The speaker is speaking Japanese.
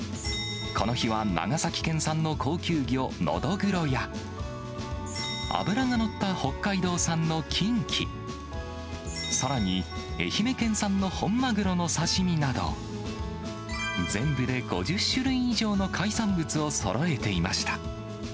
この日は長崎県産の高級魚、ノドグロや、脂が乗った北海道産のキンキ、さらに、愛媛県産の本マグロの刺身など、全部で５０種類以上の海産物をそろえていました。